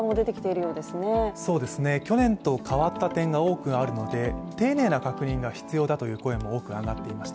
そうですね、去年と変わった点が多くあるので丁寧な確認が必要だという声も多く上がっていました。